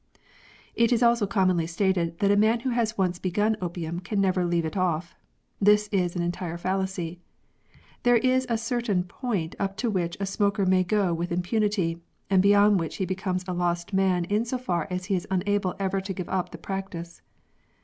It is also commonly stated that a man who has once begun opium can never leave it off. This is an entire fallacy. There is a certain point up to which a smoker may go with impunity, and beyond which he becomes a lost man in so far as he is unable ever to give up the practice.